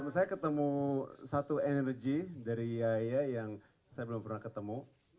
saya ketemu satu energi dari yaya yang saya belum pernah ketemu